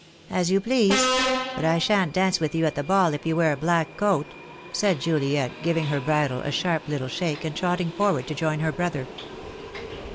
"As you please; but I shan't dance with you at the ball if you wear a black coat," said Juliet, giving her bridle a sharp little shake and trotting forward to join her brother.